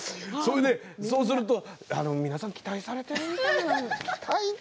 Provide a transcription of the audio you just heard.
そうすると皆さん期待されているみたいなんでって。